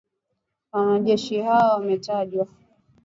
Wanajeshi hao wametajwa